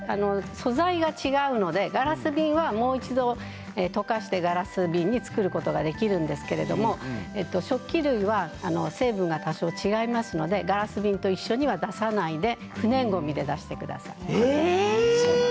素材が違うのでガラス瓶はもう一度溶かしてガラス瓶に作ることができるんですけれども食器類は成分が多少違いますのでガラス瓶と一緒には出さないで不燃ごみで出してください。